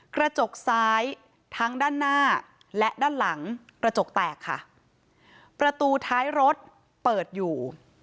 กระจกซ้ายทั้งด้านหน้าและด้านหลังกระจกแตกค่ะประตูท้ายรถเปิดอยู่